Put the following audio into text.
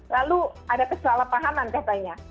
lalu ada kesalahpahaman katanya